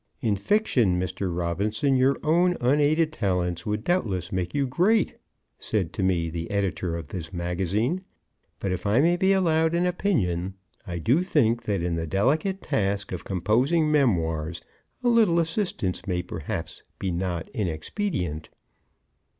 "In fiction, Mr. Robinson, your own unaided talents would doubtless make you great," said to me the editor of this Magazine; "but if I may be allowed an opinion, I do think that in the delicate task of composing memoirs a little assistance may perhaps be not inexpedient."